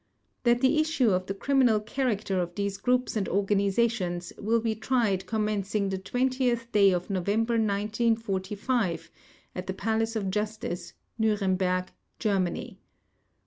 THAT the issue of the criminal character of these groups and organizations will be tried commencing the 20th day of November 1945 at the Palace of Justice, Nuremberg, Germany.